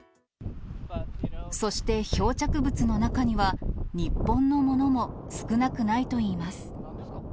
そして漂着物の中には、日本のものも少なくないといいます。